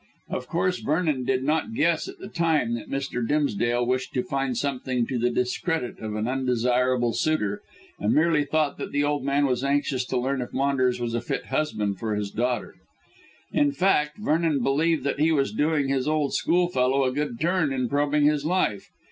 Of course, Vernon did not guess at the time that Mr. Dimsdale wished to find something to the discredit of an undesirable suitor, and merely thought that the old man was anxious to learn if Maunders was a fit husband for his daughter. In fact, Vernon believed that he was doing his old schoolfellow a good turn in probing his life.